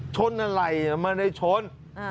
ชนอะไรมันไม่ชน